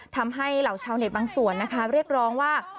ทำให้เหล่าชาวเน็ตบางส่วนเรียกร้องว่า